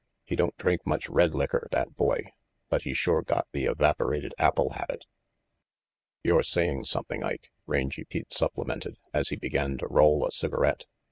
He don't drink much red licker, that boy, but he's sure got the evaporated apple habit." "You're saying something, Ike," Rangy Pete supplemented, as he began to roll a cigarette.